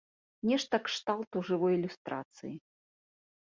Нешта кшталту жывой ілюстрацыі.